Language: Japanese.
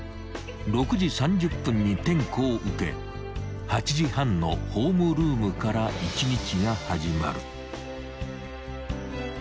［６時３０分に点呼を受け８時半のホームルームから１日が始まる］